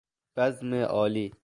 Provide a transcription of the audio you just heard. بزم عالی